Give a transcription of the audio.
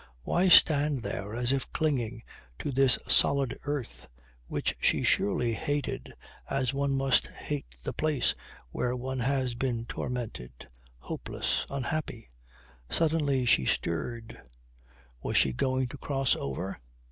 Why stand there as if clinging to this solid earth which she surely hated as one must hate the place where one has been tormented, hopeless, unhappy? Suddenly she stirred. Was she going to cross over?